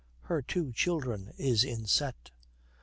Her two children is inset.